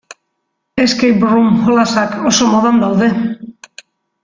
Escape-room jolasak oso modan daude.